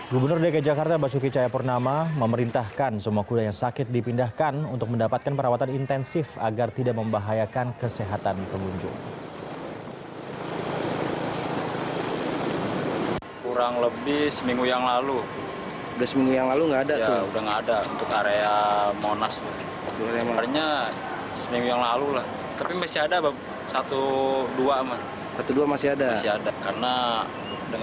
gubernur dg jakarta basuki cayapurnama memerintahkan semua kuda yang sakit dipindahkan untuk mendapatkan perawatan intensif agar tidak membahayakan kesehatan pengunjung